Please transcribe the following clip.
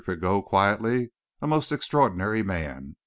Pigot, quietly; "a most extraordinary man.